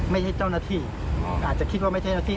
ไม่ใช่เจ้าหน้าที่อาจจะคิดว่าไม่ใช่หน้าที่